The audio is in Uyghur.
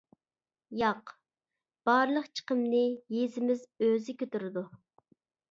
-ياق، بارلىق چىقىمنى يېزىمىز ئۆزى كۆتۈرىدۇ.